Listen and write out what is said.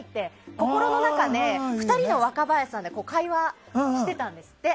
心の中で２人の若林さんで会話してたんですって。